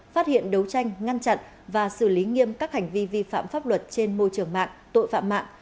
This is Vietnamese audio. phát hiện đấu tranh ngăn chặn và xử lý nghiêm các hành vi vi phạm pháp luật trên môi trường mạng tội phạm mạng